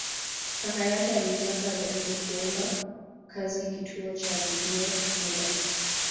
Kaka yake alimtaka ajaribu kuomba kazi Kituo cha Redio muda